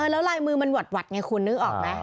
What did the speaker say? แล้วลายมือมันหวัดไงคุณนึกออกไหม